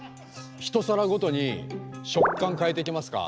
一皿ごとに食感変えていきますか？